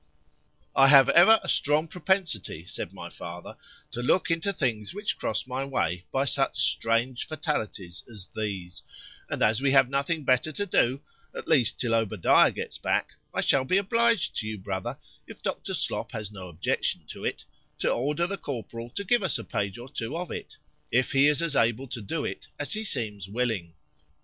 I have ever a strong propensity, said my father, to look into things which cross my way, by such strange fatalities as these;—and as we have nothing better to do, at least till Obadiah gets back, I shall be obliged to you, brother, if Dr. Slop has no objection to it, to order the Corporal to give us a page or two of it,—if he is as able to do it, as he seems willing.